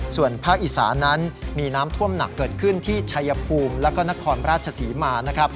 ส่วนภาคอีสานั้นมีน้ำท่วมหนักเกิดขึ้นที่ชัยภูมิแล้วก็นครราชศรีมานะครับ